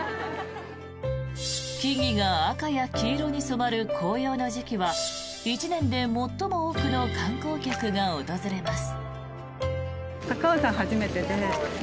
木々が赤や黄色に染まる紅葉の時期は１年で最も多くの観光客が訪れます。